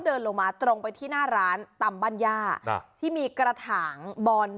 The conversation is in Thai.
เดินลงมาตรงไปที่หน้าร้านตำบ้านย่าที่มีกระถางบอน